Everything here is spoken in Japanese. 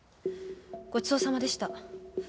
ごちそうさまでした。